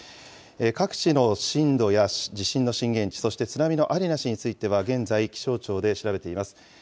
各地の震度や地震の震源地、そして津波のありなしについては、現在、気象庁で調べています。